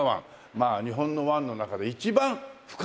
まあ日本の湾の中で一番深い湾という事で。